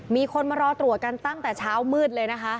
มีคนมารอตรวจกันตั้งแต่เช้ามืดเลยนะคะ